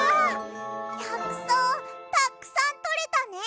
やくそうたくさんとれたね！